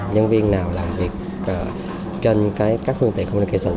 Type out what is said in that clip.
nhân viên nào làm việc trên các phương tiện communication